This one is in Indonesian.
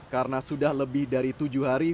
karena sudah lebih dari tujuh hari